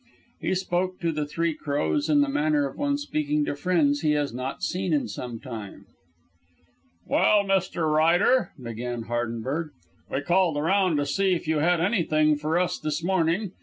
He spoke to the Three Crows in the manner of one speaking to friends he has not seen in some time. "Well, Mr. Ryder," began Hardenberg. "We called around to see if you had anything fer us this morning.